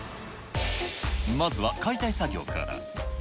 まずは解体作業から。